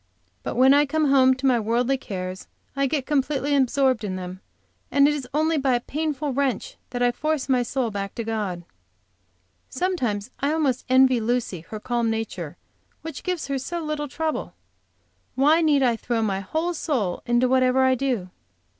But when I come home to my worldly cares, I get completely absorbed in them, it is only by a painful wrench that I force my soul back to God. Sometimes I almost envy Lucy her calm nature, which gives her so little trouble. Why need I throw my whole soul into whatever I do?